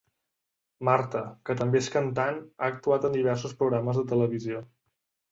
Marta, que també és cantant, ha actuat en diversos programes de televisió.